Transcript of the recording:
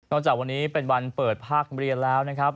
จากวันนี้เป็นวันเปิดภาคเรียนแล้วนะครับ